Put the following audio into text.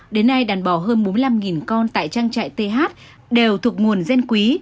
đến nay đàn bò hơn bốn mươi năm con tại trang trại th đều thuộc nguồn gen quý